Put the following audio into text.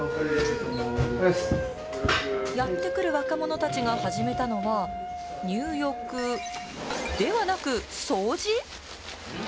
やってくる若者たちが始めたのは入浴ではなく掃除。